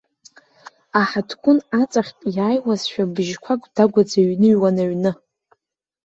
Аҳаҭгәын аҵахьтә иааҩуазшәа быжьқәак дагәаӡа иҩныҩуан аҩны.